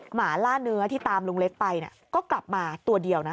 หมาล่าเนื้อที่ตามลุงเล็กไปก็กลับมาตัวเดียวนะ